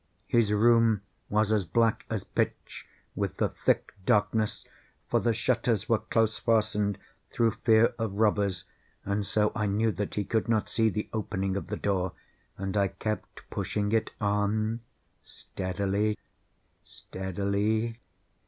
His room was as black as pitch with the thick darkness, (for the shutters were close fastened, through fear of robbers,) and so I knew that he could not see the opening of the door, and I kept pushing it on steadily, steadily.